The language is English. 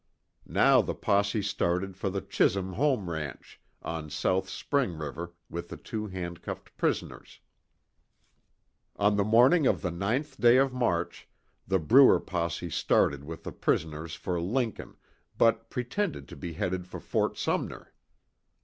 Now the posse started for the Chisum home ranch, on South Spring river, with the two handcuffed prisoners. On the morning of the 9th day of March, the Bruer posse started with the prisoners for Lincoln, but pretended to be headed for Fort Sumner.